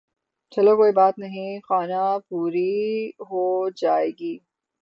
چلو کوئی بات نہیں خانہ پوری ھو جاے گی